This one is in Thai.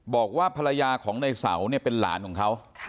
บอกว่าภรรยาของนายสาวเป็นหลานของเขา